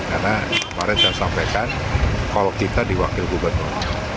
karena kemarin saya sampaikan kalau kita diwakil gubernur